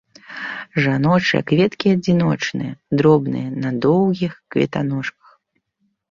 Жаночыя кветкі адзіночныя, дробныя, на доўгіх кветаножках.